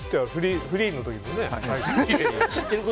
フリーの時もね。